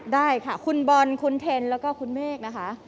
ได้ค่ะคุณบอลคุณเทนแล้วก็คุณเมฆนะคะ